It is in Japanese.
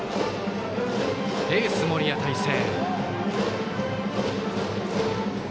エースの森谷大誠。